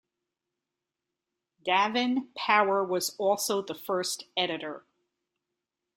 Davin-Power was also the first editor.